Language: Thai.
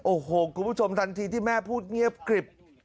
โอ้โหคุณผู้ชมทันทีที่แม่พูดเงียบกริบ